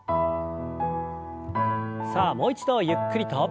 さあもう一度ゆっくりと。